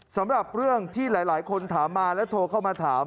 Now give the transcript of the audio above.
สำหรับเรื่องที่หลายคนถามมาและโทรเข้ามาถาม